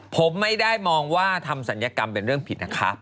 ผมไม่ได้มองว่าทำศัลยกรรมเป็นเรื่องผิดนะครับ